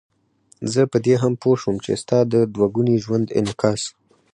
زه په دې هم پوه شوم چې ستا د دوه ګوني ژوند انعکاس.